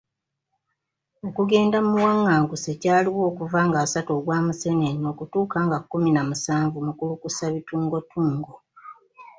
Okugenda muwanganguse kyaliwo okuva ng'asatu ogwa Museenene okutuuka nga kkumi na musanvu Mukulukusabituungotungo.